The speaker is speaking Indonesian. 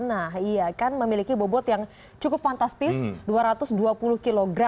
nah iya kan memiliki bobot yang cukup fantastis dua ratus dua puluh kg